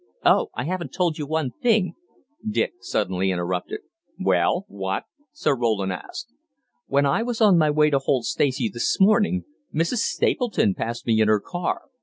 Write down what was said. "Oh, I haven't told you one thing," Dick suddenly interrupted. "Well, what?" Sir Roland asked. "While I was on my way to Holt Stacey this morning, Mrs. Stapleton passed me in her car.